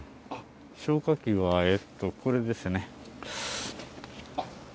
消火器は、えっと、これですね。